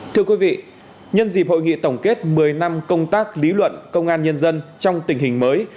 thưa quý vị nhân dịp hội nghị tổng kết một mươi năm công tác lý luận công an nhân dân trong tình hình mới